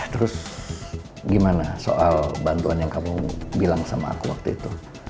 terus gimana soal bantuan yang kamu bilang sama aku waktu itu